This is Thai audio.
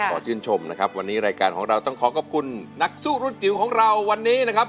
ขอชื่นชมนะครับวันนี้รายการของเราต้องขอขอบคุณนักสู้รุ่นจิ๋วของเราวันนี้นะครับ